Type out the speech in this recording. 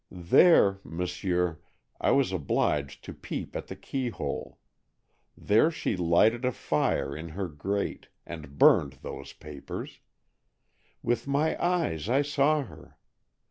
There—m'sieur, I was obliged to peep at the key hole—there she lighted a fire in her grate, and burned those papers. With my eyes I saw her.